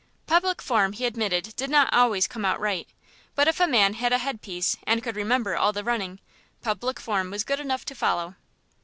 Public form he admitted did not always come out right, but if a man had a headpiece and could remember all the running, public form was good enough to follow.